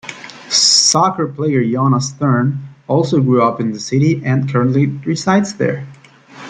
Soccer player Jonas Thern also grew up in the city and currently resides there.